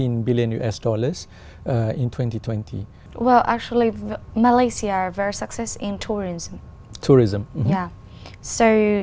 nhiều người nói rằng mà lây si a rất đáng kinh tế trong văn hóa văn hóa